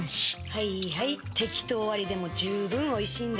はいはい、テキトー割りでも十分おいしいんで。